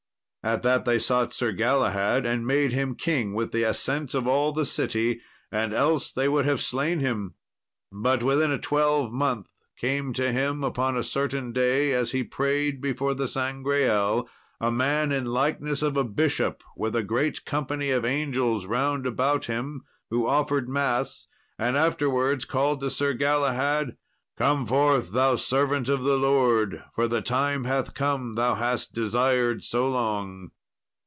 At that they sought Sir Galahad and made him king with the assent of all the city, and else they would have slain him. But within a twelvemonth came to him, upon a certain day, as he prayed before the Sangreal, a man in likeness of a bishop, with a great company of angels round about him, who offered mass, and afterwards called to Sir Galahad, "Come forth, thou servant of the Lord, for the time hath come thou hast desired so long."